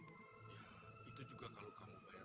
betul juga ya